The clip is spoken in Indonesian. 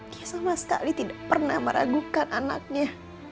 dia sama sekali tidak pernah meragukan anaknya